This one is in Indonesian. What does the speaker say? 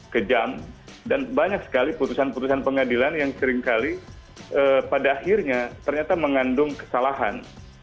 kejam dan banyak sekali putusan putusan pengadilan yang seringkali pada akhirnya ternyata mengandung kesalahan